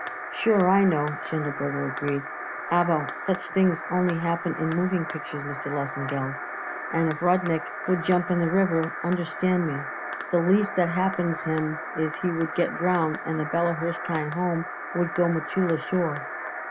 "Sure, I know," Schindelberger agreed, "aber such things only happen in moving pictures, Mr. Lesengeld, and if Rudnik would jump in the river, understand me, the least that happens him is he would get drownded and the Bella Hirshkind Home would go Mechulla sure."